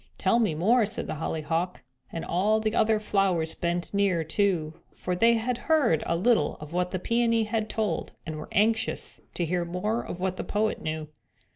"Tell me more," said the Hollyhock, and all the other flowers bent near, too, for they had heard a little of what the Peony had told and were anxious to hear more of what the poet knew.